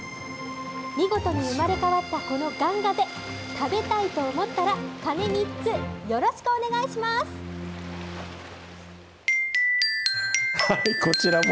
見事に生まれ変わったこのガンガゼ、食べたいと思ったら、はい、こちらも。